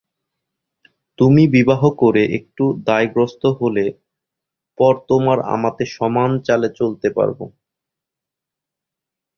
তুমি বিবাহ করে একটু দায়গ্রস্ত হলে পর তোমার আমাতে সমান চালে চলতে পারব।